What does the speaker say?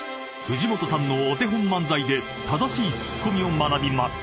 藤本さんのお手本漫才で正しいツッコミを学びます］